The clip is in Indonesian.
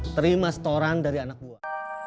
terima setoran dari anak buah